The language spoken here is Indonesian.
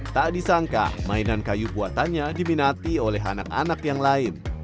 tak disangka mainan kayu buatannya diminati oleh anak anak yang lain